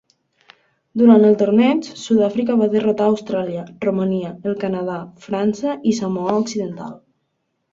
Durant el torneig, Sud-àfrica va derrotar Austràlia, Romania, el Canadà, França i Samoa Occidental.